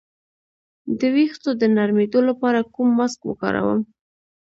د ویښتو د نرمیدو لپاره کوم ماسک وکاروم؟